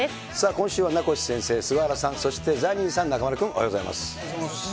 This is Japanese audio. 今週は名越先生、菅原さん、そしてザニーさん、中丸君、おはようございます。